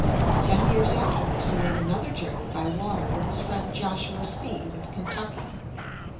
Ten years after this he made another journey by water with his friend Joshua Speed, of Kentucky.